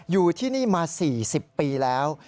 อยู่ที่นี่มา๔๐ปีแล้ว